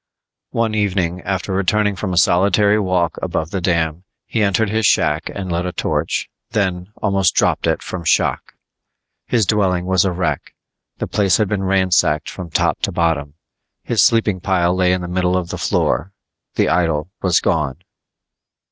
One evening after returning from a solitary walk above the dam, he entered his shack and lit a torch, then almost dropped it from shock! His dwelling was a wreck. The place had been ransacked from top to bottom. His sleeping pile lay in the middle of the floor the idol was gone!